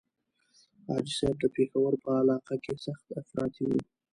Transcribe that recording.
حاجي صاحب د پېښور په علاقه کې سخت افراطي وو.